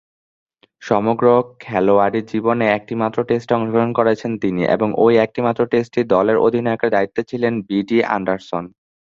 সমগ্র খেলোয়াড়ী জীবনে একটিমাত্র টেস্টে অংশগ্রহণ করেছেন তিনি এবং ঐ একটিমাত্র টেস্টেই দলের অধিনায়কের দায়িত্বে ছিলেন বিডি অ্যান্ডারসন।